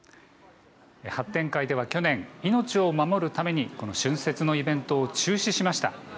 発展会では去年、命を守るためにこの春節のイベントを中止しました。